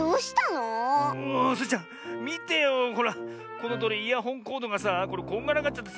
このとおりイヤホンコードがさこんがらがっちゃってさ